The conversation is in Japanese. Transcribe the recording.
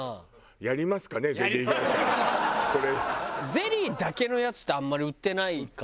ゼリーだけのやつってあんまり売ってないか。